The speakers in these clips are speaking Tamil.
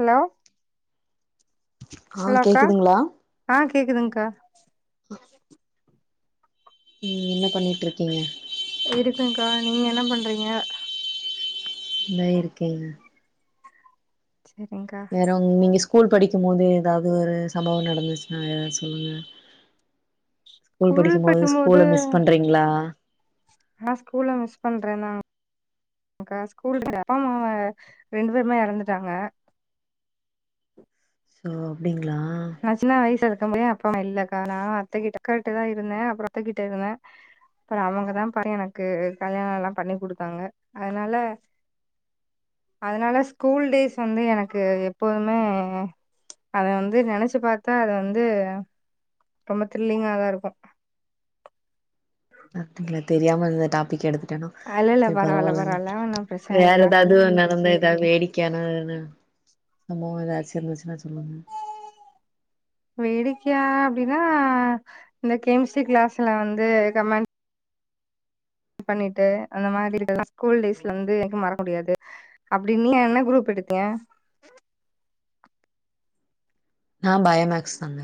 ஹலோ ஆ ஹலோ அக்கா கேக்குதுங்களா ஆ கேக்குதுங்கா ம் என்ன பண்ணீட்டுருக்கீங்க இருக்ககா நீங்க என்ன பண்றீங்க நா இருக்கே செரிங்கா பறோ நீங்க ஸ்கூல் படிக்கும்போது எதாவது ஒரு சம்பவோ நடந்துச்சுன்னா எதாவது சொல்லுங்க ஸ்கூல் படிக்கும் போது ஸ்கூல மிஸ் பண்றீங்களா நா ஸ்கூல மிஸ் பண்ற நா அக்கா [inaudible] அப்பா அம்மாவ ரெண்டு பேருமே எறந்துட்டாங்க ஸோ அப்படிங்களா ஆச்சுவலா [inaudible] அப்பா இல்ல காலா அத்தகிட்ட அக்காட்ட தா இருந்தேன் அப்பற அத்தகிட்ட இருந்த அப்பறோ அவங்கதா [inaudible] எனக்கு கல்யாணோலா பண்ணி குடுத்தாங்க அதனால அதனால ஸ்கூல் டேஸ் வந்து எனக்கு எப்போதுமே அத வந்து நெனைச்சு பாத்தா அது வந்து ரொம்ப த்ரில்லிங்காதா இருக்கு பாத்திங்களா தெரியாம அந்த டாபிக் எடுத்துட்டனோ இல்ல இல்ல சேர் பரவால்ல பரவால்லங்க பரவால்ல ஒன்னு பிரச்சன வேற இல்லக்கா எதாவது நடந்து எதாவ் வேடிக் க்கேனன சம்பவோ எதாச்சு இருந்துச்சுன்னா சொல்லுங்க வேடிக்கையா அப்டின்னா இந்த கேம்ஸ்சி கிளாஸ்ல வந்து கமண்ட் பண்ணிட்டு அந்த மாரி [inaudible] ஸ்கூல் டேஸ் வந்து மறக்க முடியாது அப்டி நீ என்ன குரூப் எடுத்திய நா பயோமேக்ஸ் தாங்க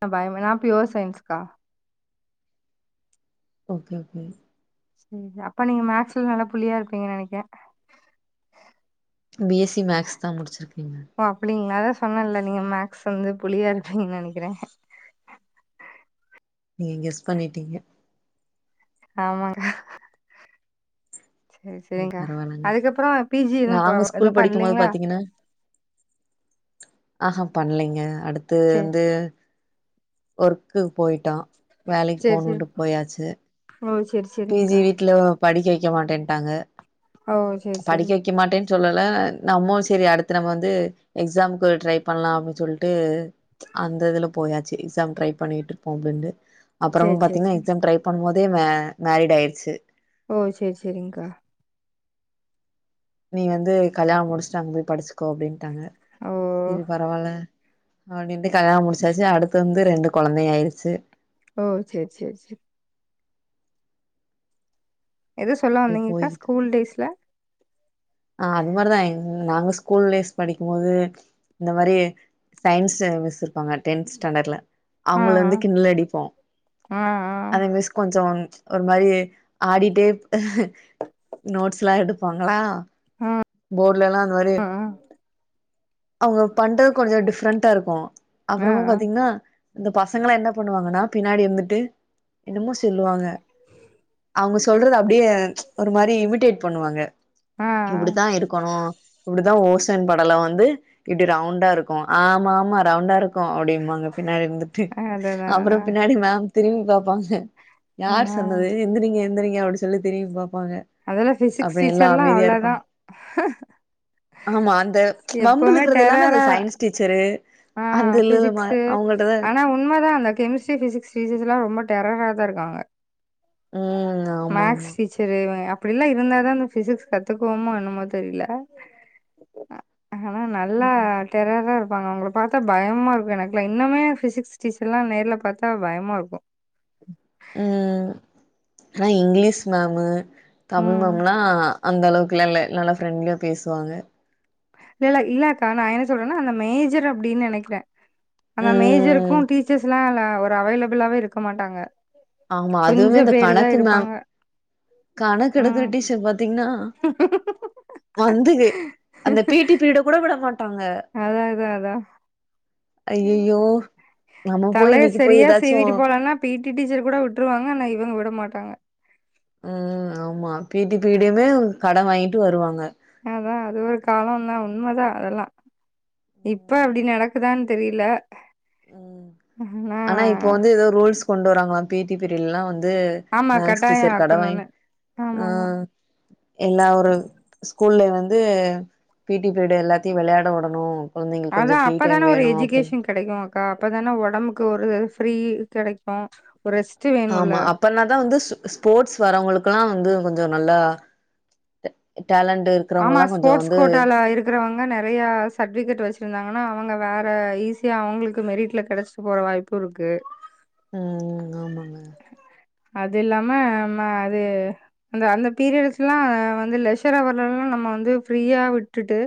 நா பயோ நா பியோர் சய்ன்ஸ்கா ஓகே ஓகே சேரி அப்ப நீங்க மேக்ஸ்ல நல்லா புலியா இருப்பீங்க நெனைக்கே பி எஸ்சி மேக்ஸ் தா முடிச்சிருக்கேங்க ஓ அப்டிங்களா அதா சொன்னன்ல நீங்க மேக்ஸ் வந்து புளியா இருப்பீங்க நெனைக்கற நீங்க கெஸ் பண்ணீட்டீங்க ஆமாங்க சேர் சரி சேரிங்கா பரவாயில்லங்க அதுக்கப்பறோ பீ ஜி எதுவு ப நாங்க ஸ்கூல் எதுவு படிக்கும் போது பண்லீங்களா பாத்தீங்கன்னா ஆஹா பண்லைங்க அடுத்து செரி வந்து ஒர்க்கு போயிட்டோ வேலைக்கு செரி செரி போணுன்ட்டு போயாச்சு ஓ சேர் பீ ஜி வீட்ல படிக்க வெக்க மாட்டேன்ட்டாங்க ஓ சேர் சேரி வெக்க மாட்டேன் சொல்லல நம்மோ சேரி அடுத்து நம்ம வந்து எக்ஸாம்க்கு ட்ரை பண்லா அப்டி சொல்ட்டு அந்த இதுல போயாச்சு எக்ஸாம் ட்ரை பண்ணீட்ருப்போ அப்டின்டு செரி அப்றோம் செரி பாத்தீங்னா செரி எக்ஸம் ட்ரை பண்ணும்போதே ம மேரீட் ஆயிடுச்சு ஓ சேர் சேரிங்கா நீ வந்து கல்யாணோ முடிச்சுட்டு அங்க போய் படிச்சுக்கோ அப்டின்ட்டாங்க ஓ சேரி பரவால்ல அப்டின்ட்டு கல்யாணோ முடிச்சாச்சு அடுத்து வந்து ரெண்டு கொழந்தைை ஆய்ருச்சு ஓ சேர் சேர் சே எதோ சொல்ல அப்படியே வந்தீங்கக்கா போய்கிட்டு ஸ்கூல் டேஸ்ல ஆ அது மாரிதா எங் நாங்க ஸ்கூல் டேஸ் படிக்கும் போது இந்த மாரி சையின்ஸ்சு மிஸ்சு இருப்பாங்க டென்த் ஸ்டண்டர்ட்ல ஆ அவங்கள வந்து கிண்டல் அடிப்போ ஆ அந்த மிஸ் கொஞ்சோ ஒரு மாரி ஆடிட்டே நோட்ஸ்லா எடுப்பாங்களா ஆ போர்டுலல்லா அந்த மாரி ஆ அவங்க பண்றது கொஞ்சோ டிஃப்ரெண்டா இருக்கு ஆ அப்றோமா பாத்தீங்ன்னா அந்த பசங்களா என்ன பண்ணுவாங்கன்னா பின்னாடி இருந்துட்டு என்னமோ சொல்லுவாங்க அவங்க சொல்றது அப்டியே ஒரு மாரி இமிடேட் பண்ணுவாங்க ஆ இப்டித்தா இருக்கனு இப்டிதா ஓசோன் படலோ வந்து இப்டி ரவுண்டா இருக்கு ஆமா ஆமா ரவுண்டா இருக் கு அப்டிம்பாங்க பின்னாடி இந்துட்டு அதுதா அப்றோ அதா பின்னாடி மம் திரும்பி பாப்பாங்க யார் ஆ சொன்னது எந்திரீங்க எந்திரீங்க அப்டி சொல்லி திரும்பி பாப்பாங்க அதெல்லா பிசிக்ஸ் அப்றோ எல்லா டீச்சர்ல்லா அமைதியா அவ்ளோதா இருப்பாங்க ஆமா அந்த வம்பு எப்பவுமே இலுக்கிறது எல்லாமே அந்த டெரரா சயின்ஸ் டீச்சரூ ஆ அந்த இல்ல இல்ல மா ஃபிசிக்ஸு அவுங்கிட்டதா ஆனா உண்மதா அந்த கெமிஸ்ட்ரி பிஸிக்ஸ் டீச்சர்ஸ்லா ரொம்ப டெரரா தா இருக்காங்க ம் ஆ மக்ஸ் டீச்சர் தெரில அப்டிலா இருந்தாதா அந்த பிசிக்ஸ் கத்துக்வோமோ என்னமோ தெரில ஆனா நல்லா ம் டெரர்ரா இருப்பாங்க அவங்கள பாத்தா பயம்மா இருக்கு எனக்குலா இன்னுமே ஃபிசிக்ஸ் டீச்சர்லா நேர்ல பாத்தா பயமா இருக்கு ம் ஆனா இங்லீஷ் மமு தமிழ் ம் மம்லா அந்தளவுக்குலா இல்ல நல்லா ஃப்ரெண்ட்லியா பேசுவாங்க இல்லல்ல இல்லக்கா நா என்ன சொல்றன்னா அந்த மேஜர் அப்டின்னு நினைக்கிற அந்த ம் மேஜருக்கு டீச்சர்ஸ்ல்லா ஒரு அவைலபிளாவே இருக்க மாட்டாங்க ஆமா கொஞ்ச அதுமே இந்த பேரு தா கணக்கு மம் இருப்பாங்க கணக்கு எடுக்கிற ம் டீச்சர் பாத்தீங்னா வந்தது அந்த பி டி பீரியட கூட விட மாட்டாங்க அதா அதா அதா ம் அய்யய்யோ நம்ம போய் தலைய இன்னைக்கு போய் சரியா எதாச்சு சீவிட்டு போலன்னா பி டி டீச்சர் கூட விட்ருவாங்க ஆனா இவங்க விட மாட்டாங்க ம் ஆமா பீட்டி பீரியடயுமே கடன் வாங்கிட்டு வருவாங்க அதா அது ஒரு காலந்தா உண்மதா அதெல்லா இப்ப அப்டி நடக்குதான் தெரில ம் ஆனா இப்போ வந்து ஏதோ ரூல்ஸ் கொண்டு வராங்களா பீ டி பீரியட்ல்லா வந்து ஆமா மக்ஸ் கட்டாயோ டீச்சர் கட வாங் ஆக்கணுன்னு ஆமா அ ஆமா எல்லா ஒரு ஸ்கூல்ல வந்து பி டி ஃபிரிடு எல்லாத்தையு விளையாட விடணு கொழந்தைங்களுக்கு கொஞ்ச ஃப்ரீ டைம் வேணு அப்டி கெடைக்கும் அக்கா அப்பதானே ஒடம்புக்கு ஒரு ஃப்ரீ கெடைக்கு ஒரு ரெஸ்ட் வேணுல்ல ஆமா அப்பனாதா வந்து ஸ் ஸ்போர்ட்ஸ் வரவங்களுக்குலா வந்து கொஞ்ச நல்லா டேலண்ட்டு இரு ஆமா ஸ்போர்ட்ஸ் கோட்டால இருக் குறவங்க நெறைய சர்டிபிகேட் வச்சிருந்தாங்கன்னா அவங்க வேற ஈஸியா அவுங்களுக்கு மெரிட்ல கெடச்சி போற வாய்ப்பு இருக்கு ம் ஆமாங்க அதில்லாம ம்ம அது அந்த அந்த பீரியட்ஸ்ல்லா வந்து லெஷர் அவர்லல்லா நம்ம வந்து ஃப்ரீயா விட்டுட்டு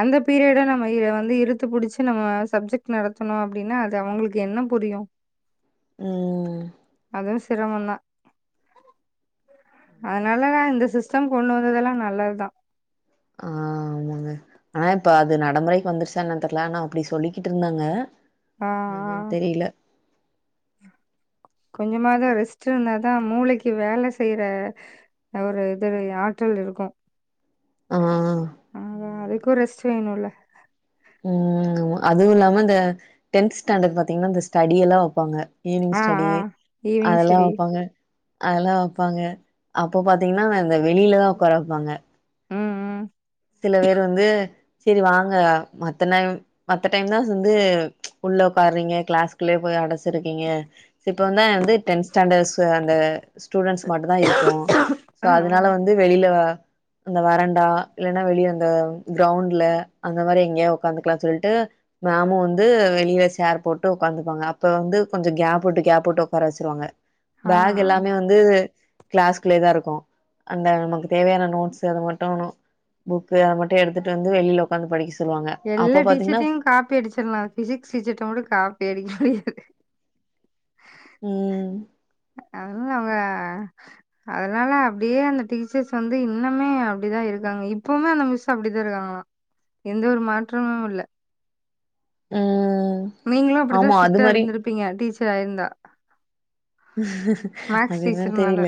அந்த பீரியட நம்ம வந்து இழுத்து புடிச்சு நம்ம சப்ஜெக்ட் நடத்துணோ அப்டின்னா அது அவுங்களுக்கு என்ன புரியு ம் அதுவு சிரமதா அதனாலதா இந்த சிஸ்டம் கொண்டு வந்ததெல்லா நல்லதுதா ஆ ஆமாங்க ஆ இப்ப அது நடைமுறைக்கு வந்துருச்சா என்னன்னு தெரில ஆனா அப்டி சொல்லிக்கிட்டு இருந்தாங்க ஆ என்னன்னு ஆ தெரில கொஞ்சமாது ரெஸ்ட் இருந்தாதா மூளைக்கு வேல செய்யிற ஒரு இது ஆற்றல் இருக்கு அஅ அ அதா அதுக்கு ரெஸ்ட் வேணுல்ல ம் அதுவு இல்லாம இந்த டென்த் ஸ்டாண்டர்ட் பாத்தீங்கன்னா இந்த ஸ்டடியல்லா வப்பாங்க ஈவினிங் ஆ ஸ்டடி ஆ ஈவினிங் அதெல்லா ஸ்டடி வப்பாங்க அதெல்லா வப்பாங்க அப்போ பாத்தீங்கன்னா இந்த வெளியிலதா உக்கார வப்பாங்க ம் ம் சில வேரு வந்து செரி வாங்க மத்த நே மத்த டைம் தா வந்து உள்ள உக்காரீங்க கிளாஸ்க்குள்ளயே போய் அடச்சிருக்கீங்க இப்போவுதா வந்து டென்த் ஸ்டாண்டர்ட்ஸ் அந்த ஸ்டூடண்ட்ஸ் மட்டு தா இருப்போ சோ ஆ அதனால ஆ வந்து வெளியில இந்த வறண்டா இல்லன்னா வெளியே அந்த கிரௌண்ட்ல அந்த மாரி எங்கேயா உக்காந்துக்கலாம்னு சொல்லிட்டு மேமு வந்து வெளில சேர் போட்டு உக்காந்துப்பாங்க அப்ப வந்து கொஞ்சோ கேப் உட்டு கேப் உட்டு உட்கார வச்சிருவாங்க ஆ பேக் ஆ எல்லாமே வந் து கிளாஸ்குள்ளே தா இருக்கு அந்த நமக்கு தேவையான நோட்ஸ் அத மட்டு புக்கு அத மட்டு எடுத்துட்டு வந்து வெளியில உக்காந்து படிக்க சொல்லுவாங்க எல்லா அப்ப பாத்தீங்கன்னா டீச்சர்ட்டையும் காப்பி அடிச்சிடலா பிசிக்ஸ் டீச்சர்ட்ட மட்டு காப்பி அடிக்க முடியாது ம் அத அவ அதனால அப்டியே அந்த டீச்சர்ஸ் வந்து இன்னமே அப்டிதா இருக்காங்க இப்பவுமே அந்த மிஸ் அப்டித்தா இருக்காங்கலா எந்த ஒரு மாற்றமும் இல்ல அஅ நீங்களு அப்டிதா ஸ்ட்ரிக்டா இருந்துருப்பீங்க டீச்சர் ஆயிருந்தா உம் மேக்ஸ் டீச்சர்னால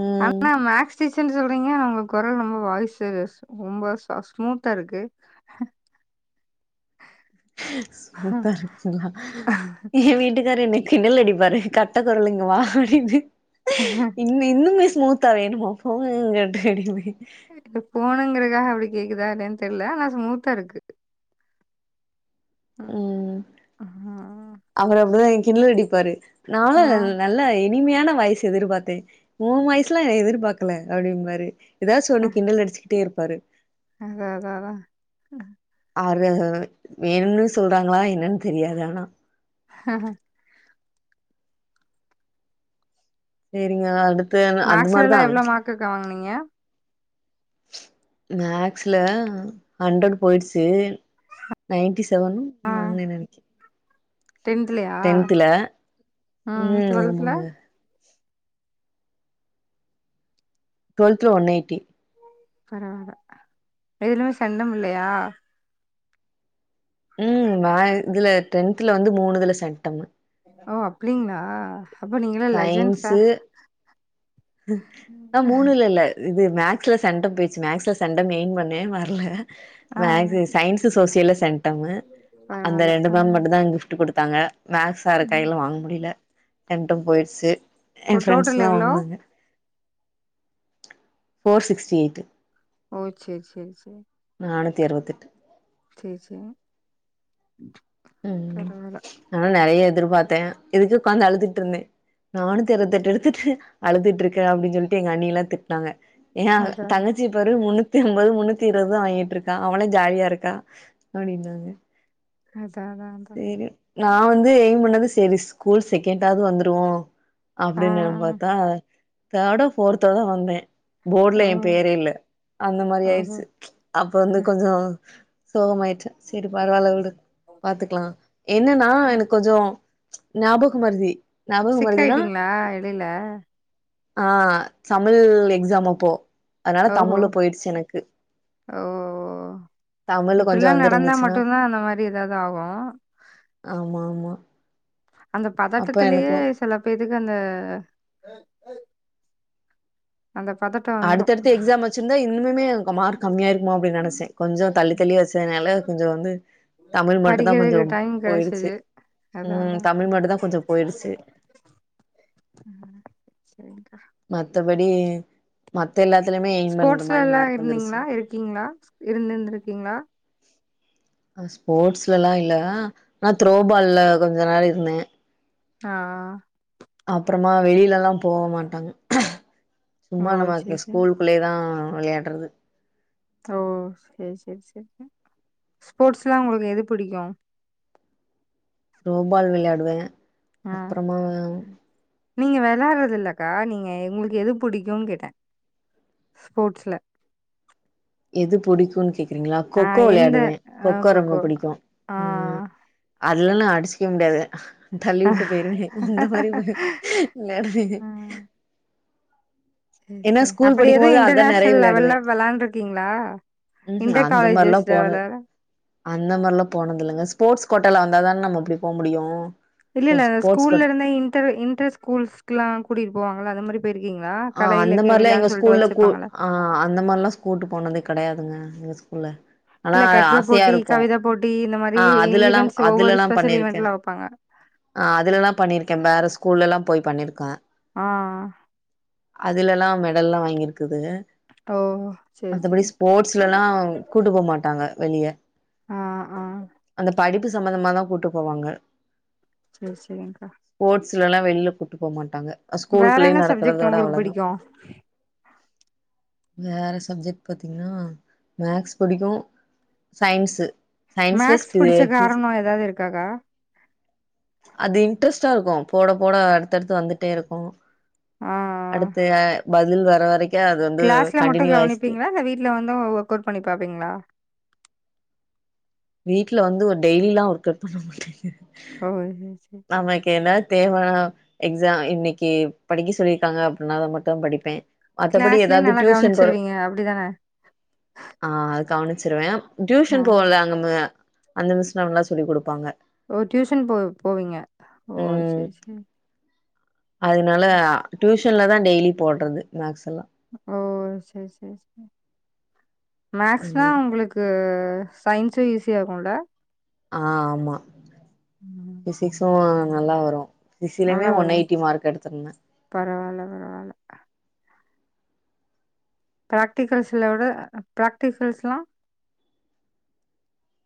ம் ஆனா மேக்ஸ் சீசன்னு சொல்றீங்க உங்க கொரல் ரொம்ப வாய்சு ரொம்ப சா ஸ்மூத்தா இருக்கு என் வீட்டுக்காரு என்ன கிண்டல் அடிப்பாரு கட்ட குரலு இங்க வா அப்டின்னு இன்னு இன்னுமே ஸ்மூத்தா வேணுமோ போங்க அப்டி அப்டினு இல்ல ஃபோனுங்கிறக்காக அப்டி கேக்குதா என்னன் தெரியல ஆனா ஸ்மூத்தா இருக்கு ம் அவர் அப்டிதா எ கிண்டலு அடிப்பாரு நானு ஆ நல்லா இனிமையான வாய்ஸ் எதிர்பாத்தே ஓ வாய்ஸ் லா எதிர்பாக்கல அப்டிம்பாரு இப்டி தா சொல்லி கிண்டல் அடிச்சிக்கிட்டே இருப்பாரு அதா அதா அதா ஆரு வேணுன் சொல்றாங்களா என்னனு தெரியாது ஆனா ஆஹ சரிங்க அடுத்து அந்த மாரிதா இதுக்கா வாங்னீங்க மேக்ஸ்ல ஹண்ட்ரட் போய்டுச்சி நைன்டி செவன் ஆ மங்க நெனக்கு டென்த்லயா ம் டுவெல்த்ல டுவெல்த்ல ஒன் எய்ட்டி பரவால்ல எதுலயுமே செண்டம் இல்லயா ம் நா இதுல டென்தல வந்து மூணுதுல செண்டம் ஓ அப்டிங்ளா சயின்ஸு மூணுல இல்ல இது மேக்ஸ்ல செண்டம் போய்ச்சு மேக்ஸ்ல செண்டம் எய்ம் பண்ணே வரல ஆ மேக்ஸ் சயின்ஸ் சோசியல்ல சென்டம் அந்த பரவால்ல ரெண்டு ஆ மேம் மட்டுதா கிப்ட்டு குடுத்தாங்க மேக்ஸ் சாரு ம் கைல வாங்க முடில மட்டு போய்ட்ச்சு எ ஓ டோட்டல் ஃப்ரெண்ட்ஸ்தா எவ்ளோ வாங்னாங்க ஃபோர் சிக்ஸ்டி எயிட்டு ஓ சரி சரி சரி நானூத்தி அறுவத்தெட்டு சரி சரி ம் பரவால்ல ஆனா நெறய எதிர்பாத்த இதுக்கு உக்காந்து அழுதுட்டு இருந்த நானுத்தி அறுவத்தெட்டு எடுத்துட்டு அழுதுட்ருக்க அப்டின் சொல்லிட்டு எங்க அண்ணில்லா திட்னாங்க ஏனா அதா தங்க விஜிய பாரு முன்னூத்தி அம்பது முன்னூத்தி இருவதுதா வாங்கிட்ருக்கா அவளே ஜாலியா இருக்கா அப்டின்றாங்க அதாவா சரி நா வந்து எய்ம் பண்ணது சரி ஸ்கூல் செகண்டாவது வந்துருவோ ஆ அப்டின்னு நா பாத்தா தேடோ ஃபோர்த்தோ தா வந்தே ஆ போர்ட்ல ஓ என் பேரே இல்ல அந்த மாரி ஓஹோ ஆயிட்ச்சு அப்ப வந்து கொஞ்சோ சோகமாய்ட்ட சரி பரவால்ல விடு பாத்துக்கலா என்னன்னா எனக்கு கொஞ்சோ ஞாபக மறதி ஞாபக மறதினா சிக்காயிட்டீங்களா எடையில ஆ தமிழ் எக்ஸாமப்போ அதனால ஓஹோ தமிழ் போயிடுச்சு எனக்கு ஓ தமிழ்ல கொஞ்சோ இப்டிலா நடந்தா வந்துருந்துச்சுன்னா மட்டுதா அந்த மாரி எதாது ஆகு ஆமா ஆ மா அந்த பதட்டத்திலயே சில பேத்துக்கு அந்த அந்த பதட்டம் அடுத்தடுத்து எக்ஸாம் வச்சிருந்தா இன்னுமே மார்க் கம்மியாயிருக்குமோ அப்டின் நெனைச்சே கொஞ்சம் தள்ளித்தள்ளி வெச்சனால கொஞ்சோ வந்து தமிழ் மட்டும் தான் கொஞ்சோ படிக்கிறதுக்கு டைம் போயிடுச்சு கெடச்சது ம் தமிழ் மட்டும் தான் கொஞ்சோ போயிருச்சு ம் செரி்ங்கா மத்தபடி மத்த எல்லாத்துலயுமே ஏம் பண்ற மாரி மார்க் வந்துருச்சு க்கீங்களா இருந்திருந்திருக்கீங்களா ஸ்போர்ட்ஸ்லல்லா இல்ல ஆனா த்ரோபால்ல கொஞ்ச நேரம் இருந்தேன் ஆ அப்பறமா வெளியில எல்லாம் போவ மாட்டாங்க சும்மா ஓ சேரி நம்ம சேரி ஸ்கூல் குள்ளே தான் வெளையாடுறது ஓ செரி செரி செரி ஸ்போர்ட்ஸ்லா உங்களுக்கு எது பிடிக்கும் த்ரோ பால் வெளையாடுவேன் அப்றமா நீங்கள் வெளையாட்றது இல்லக்கா நீங்க உங்களுக்கு எது பிடிக்கும்னு கேட்டேன் ஸ்போர்ட்ஸ்ல எது பிடிக்கும்ன்னு கேக்குறீங்களா ஆ கொக்கோ எந்த விளையாடுவேன் ஆ கொக்கோ ரொம்ப பிடிக்கும் ஆ ம் அதுல்லா அடிச்சிக்க முடியாது தள்ளி விட்டு போயிருவேன் இந்த மாரி போய் வெளாடுவே செரி ஏன்னா செரி ஸ்கூல் அப்டி படிக்கும்போது எதுவும் அதா நெறைய இன்டர்நேஷனல் லெவல்ல விளாண்டு இருக்கீங்களா ம் ஹ்ம் அந்த மாரில்லாம் போண அந்த மாரில்லாம் போனதில்லங்க ஸ்போர்ட்ஸ் கோட்டால வந்தா தானே நம்ம அப்டி போ முடியும் இல்ல இல்ல ஸ்கூல்ல இருந்தே இன்டர் இன்டர் ஸ்கூல்ஸ்க்ல்லாம் கூட்டிட்டு போவாங்களா அது மாரி போயிருக்கீங்களா ஆ கலை அந்த இலக்கிய மாரிலா எங்க விழானு சொல்லிட்டு ஸ்கூல்ல கூ வெச்சிருப்பாங்கள ஆ அந்த மாரிலாம் கூட்டு போனது கிடையாதுங்க எங்க ஸ்கூல்ல ஆனா இல்ல கட்டுரை ஆசையா போட்டி இருக்கும் கவிதை போட்டி இந்த மாரி ஈவன்ட்ஸ் ஒவ்வொரு ஸ்பெஷல் பண்ணிருக்கே ஈவன்ட்னு வைப்பாங்க ஆ அதுலல்லாம் பண்ணிருக்கேன் வேற ஸ்கூல்லல்லாம் போய் பண்ணிருக்கேன் ஆ அதுலல்லாம் மெடல் லாம் வாங்கிருக்குது ஓ சரி மத்தபடி சரி ஸ்போர்ட்ஸ்ல எல்லாம் கூட்டு போக மாட்டாங்க வெளியே ஆ ஆ அந்த படிப்பு சம்மந்தமாதான் கூட்டு போவாங்க செரி செரிங்க்கா ஸ்போர்ட்ஸ்ல எல்லாம் வெளில கூட்டு போ மாட்டாங்க வேற ஸ்கூலுக்குள்ளயே என்ன சப்ஜெக்ட் நடக்கறதோட உங்களுக்கு அவ்வளவுதான் பிடிக்கும் வேற சப்ஜெக்ட் பாத்தீங்கன்னா மேக்ஸ் பிடிக்கும் சைன்ஸு மேக்ஸ் பிடிச்ச காரணம் ஏதாவது இருக்காக்கா அது இன்ட்ரெஸ்ட்டா இருக்கும் போட போட அடுத்தடுத்து வந்துட்டே இருக்கும் ஆ அடுத்து பதில் வர வரைக்கும் கிளாஸ்ல மட்டும் கவனிப்பீங்களா இல்ல வீட்டுல வந்து ஒர்க் அவுட் பண்ணி பாப்பீங்களா வீட்டுல வந்து ஒரு டெய்லிலாம் ஒர்க் அவுட் பண்ண மாட்டீங்க ஓ சரி சரி நமக்கு எதாச்சு தேவைனா எக்ஸாம் இன்னைக்கு படிக்க சொல்லிருக்காங்க அப்டின்னா மட்டும் படிப்பேன் மத்தபடி கிளாஸ்லயும் ஏதாவது நல்லா டியூசன் போற கவனிச்சிருவீங்க அப்டிதான? ஆ அது கவனிச்சிருவேன் ஆ டியூஷன் போவல அங்க ம அந்த மிஸ் நல்லா சொல்லி் கொடுப்பாங்க ஓ டியூஷன் போ போவீங்க ஓ ம் செரி செரி அதனால டியூஷன்ல தான் டெய்லி போடுறது மேக்ஸ் எல்லாம் ஓ செரி செரி மேக்ஸ் நா உங்களுக்கு சயின்ஸும் ஈஸிய இருகுல ஆ ஆமா ம் பிசிக்ஸும் நல்லா வரும் [unintelligible] யுமே நல்லா ஒன் வருமா? எயிட்டி மார்க் எடுத்துருந்தே பரவால்ல பரவால்ல ப்ராக்டிகல்ஸலா விட ப்ராக்டிகல்ஸ்லா